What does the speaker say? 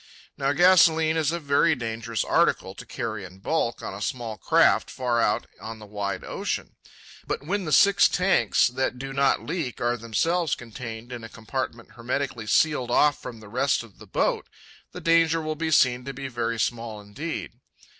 Now gasolene is a very dangerous article to carry in bulk on a small craft far out on the wide ocean. But when the six tanks that do not leak are themselves contained in a compartment hermetically sealed off from the rest of the boat, the danger will be seen to be very small indeed.